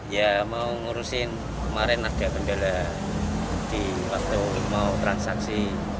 ya mau ngurusin kemarin ada kendala di waktu mau transaksi